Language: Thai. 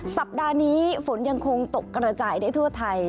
สัปดาห์นี้ฝนยังคงตกกระจายได้ทั่วไทย